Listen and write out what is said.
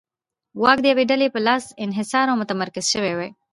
واک د یوې ډلې په لاس انحصار او متمرکز شوی وای.